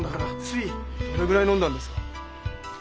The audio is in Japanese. どれぐらい飲んだんですか？